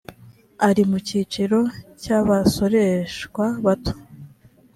ari mu cyiciro cy abasoreshwa bato